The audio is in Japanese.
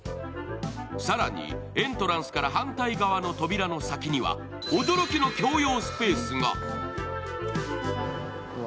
更にエントランスから反対側の扉の先には驚きの共用スペースが。